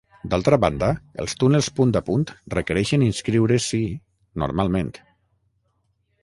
D'altra banda, els túnels punt a punt requereixen inscriure-s'hi, normalment.